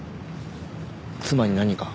妻に何か？